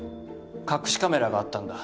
隠しカメラがあったんだ。